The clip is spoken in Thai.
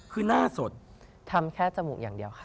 คือหน้าสดทำแค่จมูกอย่างเดียวค่ะ